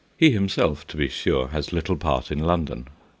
He himself, to be sure, has little part in London.